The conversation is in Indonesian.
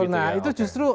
nah itu justru